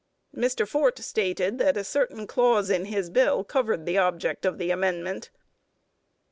Mr. Fort stated that a certain clause in his bill covered the object of the amendment.